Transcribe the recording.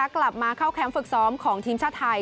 กลับมาเข้าแคมป์ฝึกซ้อมของทีมชาติไทย